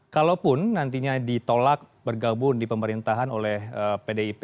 kalaupun nantinya ditolak bergabung di pemerintahan oleh pdip